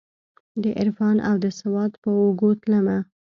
دعرفان اودسواد په اوږو تلمه